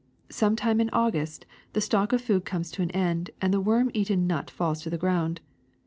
Some time in August the stock of food comes to an end and the worm eaten nut falls to the ground.